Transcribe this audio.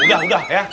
udah udah ya